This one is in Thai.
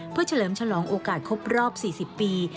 เพื่อเฉลิมฉลองโอกาสครบรอบ๔๐ปี